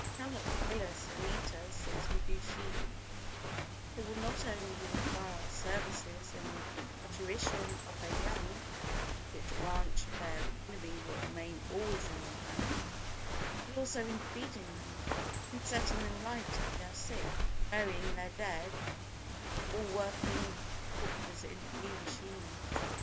They cannot kill us and eat us as we do sheep, they will not only require our services in the parturition of their young (which branch of their economy will remain always in our hands) but also in feeding them, in setting them right if they are sick, and burying their dead or working up their corpses into new machines.